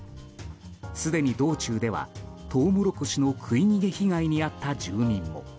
すでに道中ではトウモロコシの食い逃げ被害に遭った住民も。